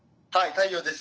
太陽です。